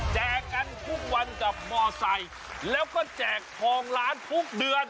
แจกกันทุกวันกับมอไซค์แล้วก็แจกทองล้านทุกเดือน